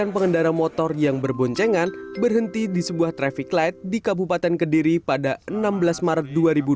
sembilan pengendara motor yang berboncengan berhenti di sebuah traffic light di kabupaten kediri pada enam belas maret dua ribu dua puluh